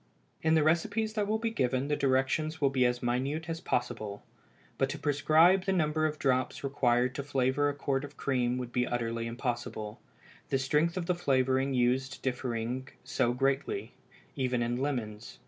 In the recipes that will be given the directions will be as minute as possible; but to prescribe the number of drops required to flavor a quart of cream would be utterly impossible, the strength of the flavoring used differing so greatly, even in lemons.